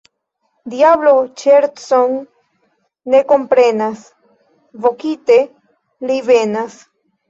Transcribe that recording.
Diablo ŝercon ne komprenas, vokite li venas.